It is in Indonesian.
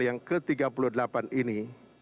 yang ke tiga puluh delapan ini